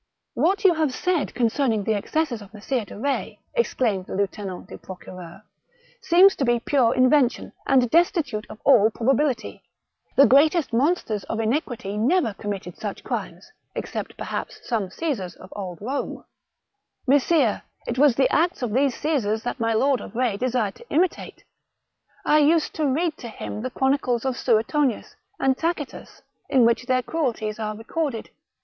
"What you have said concerning the excesses of Messire de Retz," exclaimed the lieutenant duprocureur, '* seems to be pure invention, and destitute of all prob ability. The greatest monsters of iniquity never com mitted such crimes, except perhaps some CaBsars of old Rome." Messire, it was the acts of these Caesars that my Lord of Retz desired to imitate. I used to read to him the chronicles of Suetonius, and Tacitus, in which their cruelties are recorded.